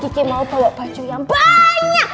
kiki mau bawa baju yang banyak